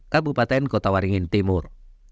kabupaten kota waringin timur